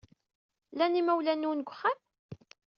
Llan yimawlan-nwent deg uxxam?